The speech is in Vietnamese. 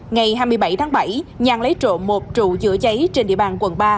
ngày hai mươi bảy tháng bảy nhàn lấy trộm một trụ chữa cháy trên địa bàn quận ba